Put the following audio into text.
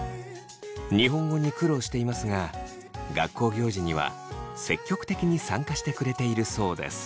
日本語に苦労していますが学校行事には積極的に参加してくれているそうです。